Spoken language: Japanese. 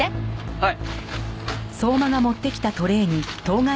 はい。